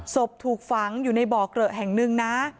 ศพถูกฝังอยู่ในบ่อเกลอะแห่งหนึ่งนะ